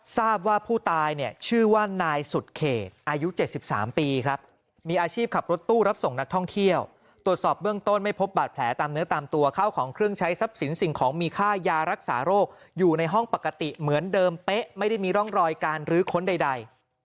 ทราบว่าผู้ตายเนี่ยชื่อว่านายสุดเขตอายุ๗๓ปีครับมีอาชีพขับรถตู้รับส่งนักท่องเที่ยวตรวจสอบเบื้องต้นไม่พบบาดแผลตามเนื้อตามตัวเข้าของเครื่องใช้ทรัพย์สินสิ่งของมีค่ายารักษาโรคอยู่ในห้องปกติเหมือนเดิมเป๊ะไม่ได้มีร่องรอยการรื้อค้นใด